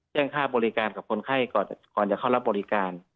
แจ้งค่าบริการกับคนไข้ก่อนจะเข้ารับบริการ